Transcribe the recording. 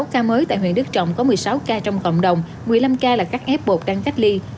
một mươi ca mới tại huyện đức trọng có một mươi sáu ca trong cộng đồng một mươi năm ca là các f một đang cách ly